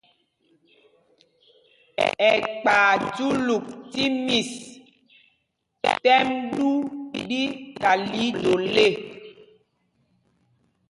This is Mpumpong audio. Ɛkpay júlûk tí mís t́ɛ́m ɗū ɗí ta lii dol ê.